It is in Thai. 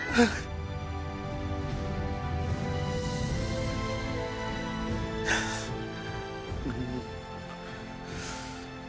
เฮ่ย